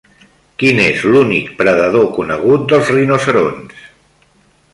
Quin és l'únic predador conegut dels rinoceronts?